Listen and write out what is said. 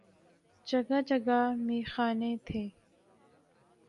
جگہ جگہ میخانے تھے۔